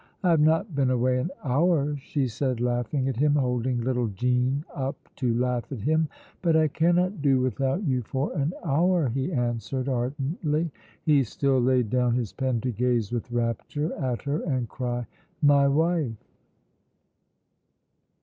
"I have not been away an hour!" she said, laughing at him, holding little Jean up to laugh at him. "But I cannot do without you for an hour," he answered ardently. He still laid down his pen to gaze with rapture at her and cry, "My wife!"